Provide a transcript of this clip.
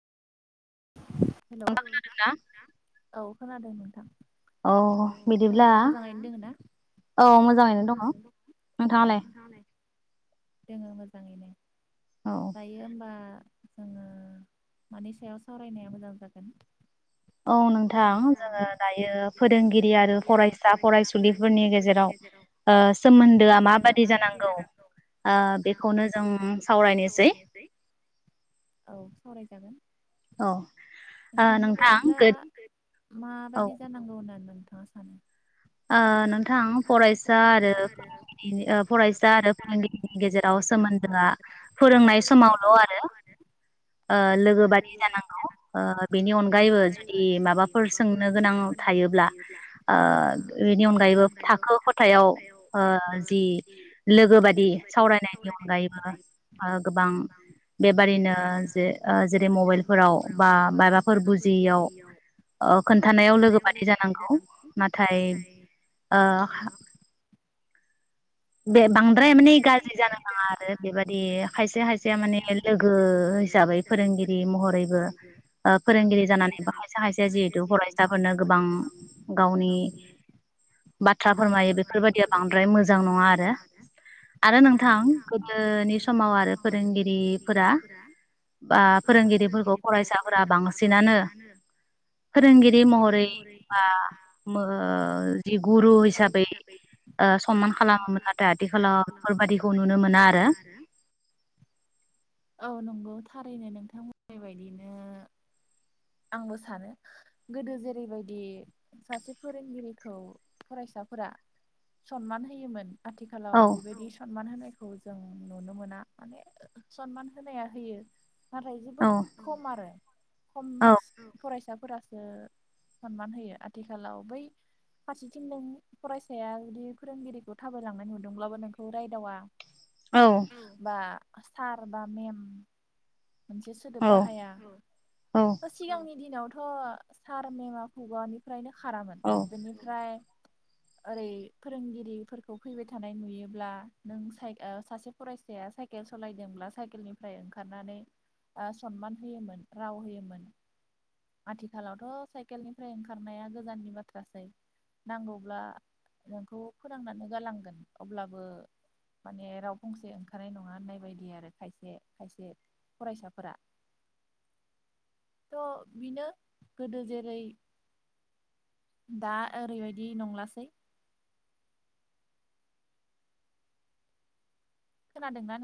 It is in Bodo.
हेल। औ खोनादों नोंथां औ बिदिब्ला औ मोजाङैनो दङ नोंथाङालाय? दोङो मोजाङैनो। दायो होमबा जोङो मानि सायाव सावरायनाया मोजां जागोन? औ नोंथां जोङो दायो फोरोंगिरि आरो फरायसा फरायसुलिफोरनि गेजेराव ओ सोमोन्दोआ माबादि जानांगौ ओ बेखौनो जों सावरायनोसै। औ ओ नोंथां गो माबायदि जानांगौ होननानै नोंथाङा सानो ओ नोंथां फरायसा आरो फोरोंगिरिनि फरायसा आरो फोरोंगिरिनि गेजेराव सोमोन्दोआ फोरोंनाय समावल' आरो ओ लोगो बादि जानांगौ ओ बेनि अनगायैबो जुदि माबाफोर सोंनो गोनां थायोब्ला ओ [unintelligible] अनगायैबो थाखो खथायाव ओ जि लोगो बादि सावरायनायनि अनगायैबो ओ गोबां बेबादिनो जे-जेरै मबाइलफोराव बा माबाफोर बुजियैयाव अ खोन्थानायाव लोगो बादि जानांगौ नाथाय आ बे बांद्राय माने गाज्रि जानो नाङा आरो बेबादि खायसे खायसेया माने लोगो हिसाबै फोरोंगिरि महरैबो ओ फोरोंगिरि जानानै ब खायसे खायसेया जिहेतु फरायसाफोरनो गोबां गावनि बाथ्रा फोरमायो बेफोरबाददिया बांद्राय मोजां नङा मारो आरो नोंथां गोदोनि समाव आरो फोरोंगिरिफोरा बा फोरोंगिरिफोरखौ फरायसाफोरा बांसिनानो फोरोंगिरि महरै बा ओ जि गुरु हिसाबै मो सनमान दा आथिखालावफोरबादिखौ नुनो मोना आरो। थारैनो नोंथांमोननि बायदिनो आंबो सानो गोदो जेरैबायदि सासे फोरोंगिरिखौ फरायसाफोरा सनमान होयोमोन आथिखालाव बेबायदि सनमान होनाय खौ जों नुनो मोना माने सनमान होनाया होयो। नाथाय जोबोद खम आरो [unintelligible] फिसाफोरासो सनमान होयो आथिखालाव बै फारसेथिं नों फरायसाया जुदि फोरोंगिरिखौ थाबायलांनाय नुदोंब्लाबो नोंखौ रायदावा। ओम बा सारबा मेम। मोनसे सोदोब बाहाया सिगांनि दिनाव थ' सार मेमा खुगानिफ्रायनो खारामोन बेनिफ्राय ओरै फोरोंगिरिफोरखौ फैबाय थानाय नुयोब्ला नों साइ सासे फरायसाया साइकेल सलायदोंब्ला साइकेलनिफ्राय ओंखारनानै ओ सनमान होयोमोन राव होयोमोन आथिखालावथ' साइकेलनिफ्राय ओंखारनाया गोजाननि बाथ्रासै नांगौब्ला नोंखौ फोरोंनानै गालांगोन अब्लाबो माने राव फंसे ओंखारनाय नङा होननाय बायदि आरो खायसे खायसे फरायसाफोरा थ' बिनो गोदो जेरै दा ओरैबायदि नंलासै। खोनादों ना नों